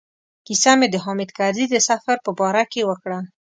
کیسه مې د حامد کرزي د سفر په باره کې وکړه.